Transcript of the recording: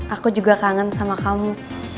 aku juga kangen sama kamu